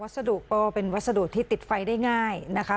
วัสดุเปล่าเป็นวัสดุที่ติดไฟได้ง่ายนะครับ